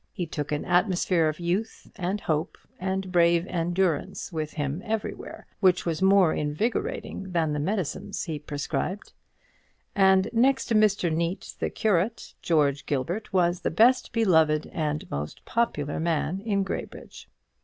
He took an atmosphere of youth and hope and brave endurance with him everywhere, which was more invigorating than the medicines he prescribed; and, next to Mr. Neate the curate, George Gilbert was the best beloved and most popular man in Graybridge.